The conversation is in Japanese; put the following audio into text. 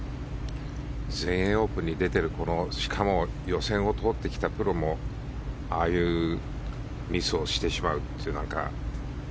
全英オープンに出ているしかも予選を通ってきたプロもああいうミスをしてしまうという。